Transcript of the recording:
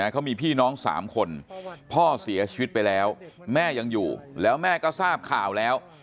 เขามีพี่น้อง๓คนพ่อเสียชีวิตไปแล้วแม่ยังอยู่แล้วแม่ก็ทราบข่าวแล้ว